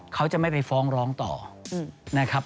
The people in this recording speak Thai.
เขาจะไม่ไปฟ้องร้องต่อนะครับ